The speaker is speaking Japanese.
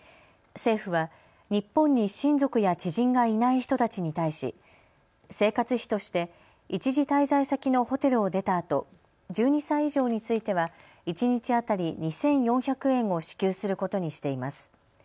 政府は日本に親族や知人がいない人たちに対し生活費として一時滞在先のホテルを出たあと１２歳以上については一日当たり２４００円を支給することにしています。